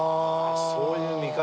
そういう見方ね。